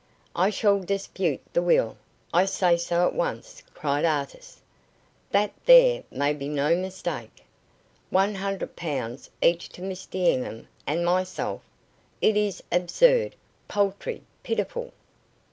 "I shall dispute the will. I say so at once," cried Artis, "that there may be no mistake. One hundred pounds each to Miss D'Enghien and myself! It is absurd, paltry, pitiful."